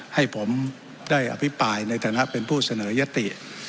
ให้ผมได้อภิปรายในฐานะเป็นผู้เสนอยติ